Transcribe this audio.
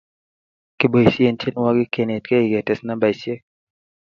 Kiboisien tenwogin ke netgei ketes nambaisiek